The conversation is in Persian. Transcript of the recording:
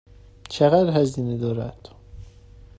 چقدر هزینه دارد؟